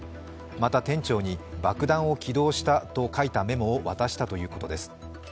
また、店長に爆弾を起動したと書いたメモを渡したということです。